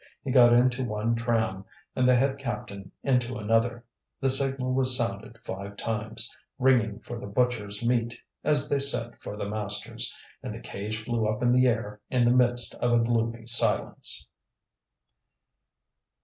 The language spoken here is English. He got into one tram, and the head captain into another, the signal was sounded five times, ringing for the butcher's meat, as they said for the masters; and the cage flew up in the air in the midst of a gloomy silence.